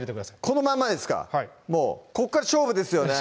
このまんまですかここから勝負ですよね